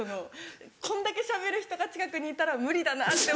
こんだけしゃべる人が近くにいたら無理だなって。